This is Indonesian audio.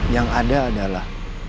yang ada adalah